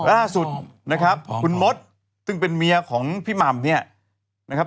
ล่าสุดนะครับคุณมดซึ่งเป็นเมียของพี่หม่ำเนี่ยนะครับ